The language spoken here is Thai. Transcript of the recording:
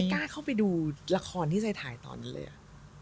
ก็ไม่กล้าเข้าไปดูละครที่ใส่ถ่ายตอนนั้นเลยอะ